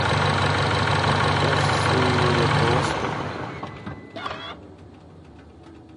داسې شوي وې لکه وسپنه.